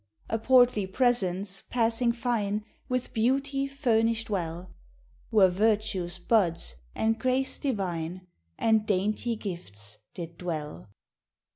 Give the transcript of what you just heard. ... A portly presence passing fine With beautie furnisht well, Where vertues buds and grace divine And daintie gifts did dwell."